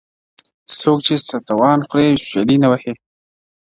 څوک چي ستوان خوري شپېلۍ نه وهي -